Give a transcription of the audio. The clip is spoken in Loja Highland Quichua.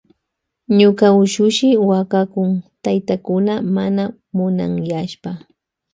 Ñuka ushushi wakakun taytakuna mana munanyashpa.